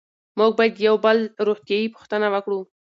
موږ باید د یو بل روغتیایي پوښتنه وکړو.